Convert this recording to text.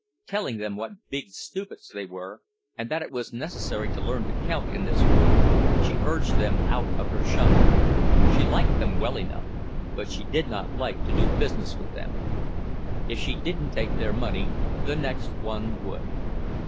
Telling them what big stupids they were, and that it was necessary to learn to count in this world, she urged them out of her shop. She liked them well enough, but she did not like to do business with them. If she didn't take their money, the next one would.